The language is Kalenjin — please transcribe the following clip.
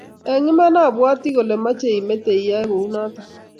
Eng iman abwati kole mochei imete iyoe kounoto